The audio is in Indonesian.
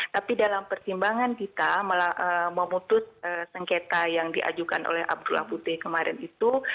tapi dalam pertimbangan kita memutus sengketa yang diajukan oleh abdullah putih kemarin itu